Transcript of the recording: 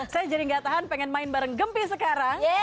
saya jadi nggak tahan pengen main bareng gempy sekarang